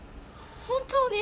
本当に！？